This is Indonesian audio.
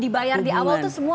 dibayar di awal tuh semua mah